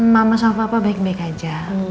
mbak mbak sama papa baik baik aja